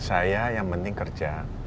saya yang penting kerja